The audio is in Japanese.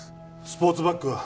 スポーツバッグは？